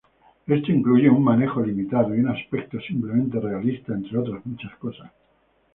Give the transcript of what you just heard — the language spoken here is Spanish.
Esto incluye un manejo limitado y un aspecto simplemente realista, entre otras muchas cosas.